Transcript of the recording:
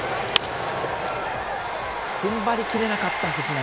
ふんばりきれなかった藤浪。